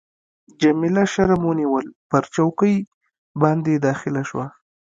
جميله شرم ونیول، پر چوکۍ باندي داخله شوه.